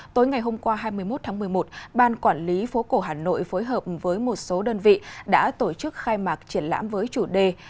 tối ngày hôm qua hai mươi một tháng một mươi một ban quản lý phố cổ hà nội phối hợp với một số đơn vị đã tổ chức khai mạc triển lãm với chủ đề